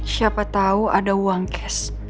siapa tau ada uang kes